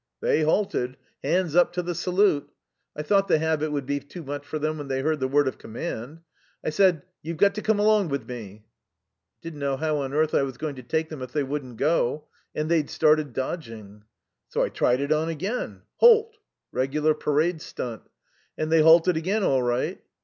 "They halted, hands up to the salute. I thought the habit would be too much for 'em when they heard the word of command. I said, 'You've got to come along with me.' I didn't know how on earth I was going to take them if they wouldn't go. And they'd started dodging. So I tried it on again: 'Halt!' Regular parade stunt. And they halted again all right.